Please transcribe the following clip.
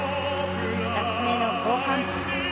２つ目の交換。